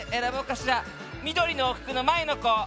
みどりのふくのまえのこ。